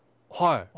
はい。